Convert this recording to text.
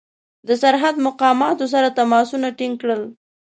د سرحد مقاماتو سره تماسونه ټینګ کړل.